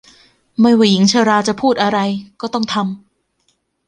ไม่ว่าหญิงชราจะพูดอะไรก็ต้องทำ